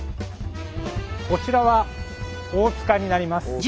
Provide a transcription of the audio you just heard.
こちらは大塚になります。